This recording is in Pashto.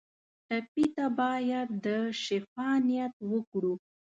ټپي ته باید د شفا نیت وکړو.